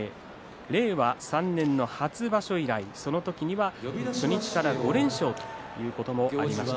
令和３年の初場所以来その時には初日から５連勝ということもありました。